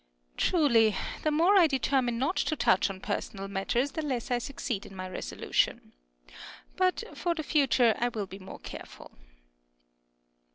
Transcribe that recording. Earth, Truly the more I determine not to touch on personal matters, the less I succeed in my resolution. But for the future I will be more careful.